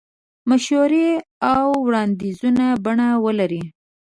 مشورې او وړاندیز بڼه ولري.